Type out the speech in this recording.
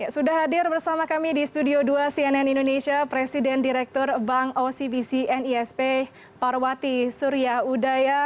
sudah hadir bersama kami di studio dua cnn indonesia presiden direktur bank ocbc nisp parwati surya udaya